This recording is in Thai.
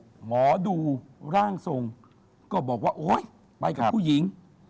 ก็ถึงดูร่างทรงไปกับผู้หญิง